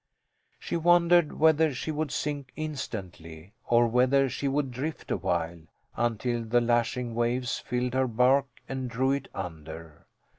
She wondered whether she would sink instantly or whether she would drift a while, until the lashing waves filled her bark and drew it under.